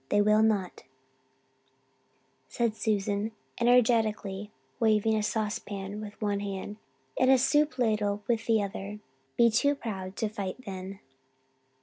They will not," said Susan, energetically waving a saucepan with one hand and a soup ladle with the other, "be too proud to fight then."